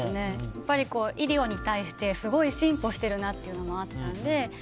やっぱり医療に対してすごい進歩しているなというのがあったので。